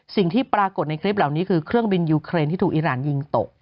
สิ่งที่ปรากฏในคลิปเหล่านี้คือเครื่องบินยูเครนที่ถูกอีรานยิงตก